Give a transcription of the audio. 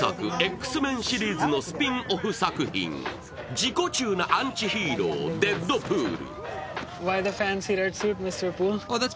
自己中なアンチヒーロー、デッドプール。